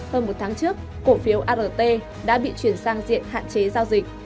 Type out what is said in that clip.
hơn một tháng trước cổ phiếu art đã bị chuyển sang diện hạn chế giao dịch